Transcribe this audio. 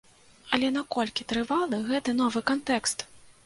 Але наколькі трывалы гэты новы кантэкст?